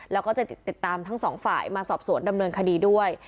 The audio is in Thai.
แล้วก็จะติดตามทั้งสองฝ่ายมาสอบสวนดำเนินคดีด้วย